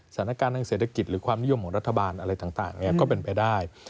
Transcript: สถานการณ์ทางเศรษฐกิจหรือความนิยมของรัฐบาลอะไรต่างก็เป็นไปได้